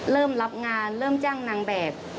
เริ่มรับงานเริ่มจ้างนางแบบ